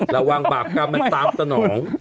ระวังบาปกรรมมันตามสนอง